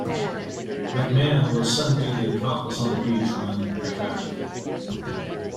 McMahon was sunbathing topless on the beach when attacked.